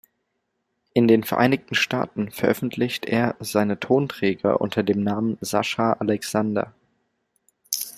In den Vereinigten Staaten veröffentlicht er seine Tonträger unter dem Namen Sasha Alexander.